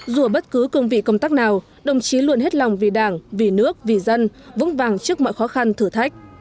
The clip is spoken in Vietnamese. dù ở bất cứ cương vị công tác nào đồng chí luôn hết lòng vì đảng vì nước vì dân vững vàng trước mọi khó khăn thử thách